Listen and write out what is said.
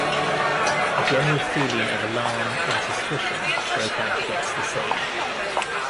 A general feeling of alarm and suspicion broke out against the sage.